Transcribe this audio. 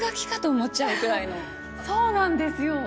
そうなんですよ。